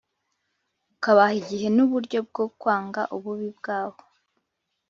ukabaha igihe n’uburyo bwo kwanga ububi bwabo;